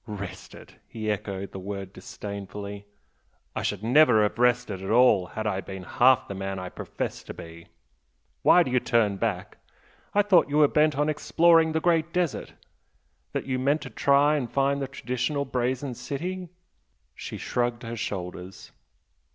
"Rested!" he echoed the word disdainfully "I should never have rested at all had I been half the man I profess to be! Why do you turn back? I thought you were bent on exploring the Great Desert! that you meant to try and find the traditional Brazen City?" She shrugged her shoulders.